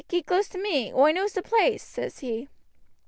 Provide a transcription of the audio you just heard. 'Keep close to me, oi knows the place,' says he.